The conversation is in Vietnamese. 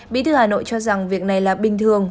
bí thư hà nội cho rằng việc này là bình thường